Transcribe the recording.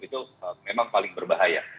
itu memang paling berbahaya